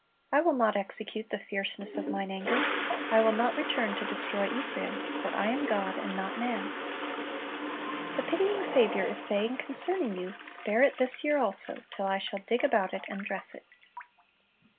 I will not execute the fierceness of Mine anger. I will not return to destroy Ephraim; for I am God, and not man."^ The pitying Saviour is saying concerning you, Spare it this year also, till I shall dig about it and dress it.